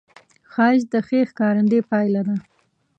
ښایست د ښې ښکارندې پایله ده